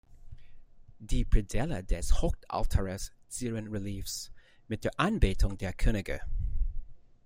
Die Predella des Hochaltares zieren Reliefs mit der Anbetung der Könige.